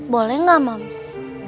boleh gak moms